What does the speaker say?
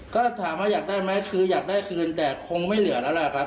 ก็ถามว่าอยากได้ไหมคืออยากได้คืนแต่คงไม่เหลือแล้วแหละครับ